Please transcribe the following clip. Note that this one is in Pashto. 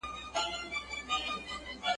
جهاني خیال یې زنګولم چي غزل مي لیکل !.